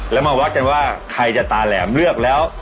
แล้วมาวัดกันว่าใครจะตาแหลมเลือกแล้ว